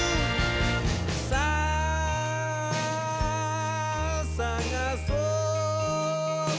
「さあさがそう」